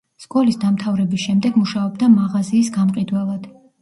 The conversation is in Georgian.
სკოლის დამთავრების შემდეგ მუშაობდა მაღაზიის გამყიდველად.